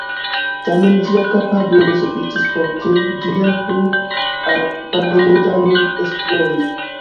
Tamen ĝia kapablo ne sufiĉis por ke ĝi helpu al parlamentanoj esplori.